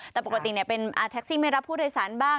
แต่ปกติเป็นแท็กซี่ไม่รับผู้โดยสารบ้าง